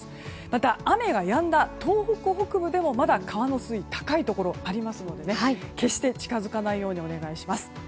また、雨がやんだ東北北部でもまだ川の水位が高いところがありますので決して近づかないようにお願いします。